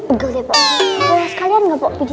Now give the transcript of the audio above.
pegel ya pak